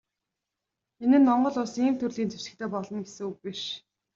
Энэ нь Монгол Улс ийм төрлийн зэвсэгтэй болно гэсэн үг биш.